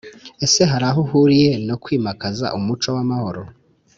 Ese hari aho uhuriye no kwimakaza umuco w’amahoro?